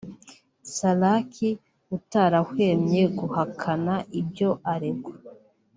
Saraki utarahwemye guhakana ibyo aregwa